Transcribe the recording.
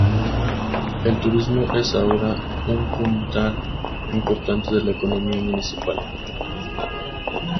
El turismo es ahora un puntal importante de la economía municipal.